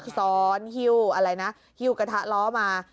ซ้อนหิ้วอะไรนะหิ้วกระทะล้อมา